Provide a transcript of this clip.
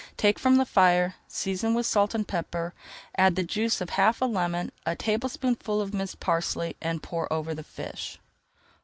Take from the fire, season with salt and pepper, add the juice of half a lemon and a tablespoonful of minced parsley, and pour over the fish.